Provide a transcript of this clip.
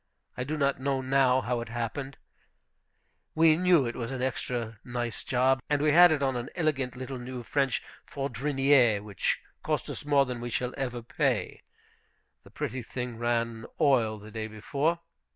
I do not know now how it happened. We knew it was an extra nice job. And we had it on an elegant little new French Fourdrinier, which cost us more than we shall ever pay. The pretty thing ran like oil the day before.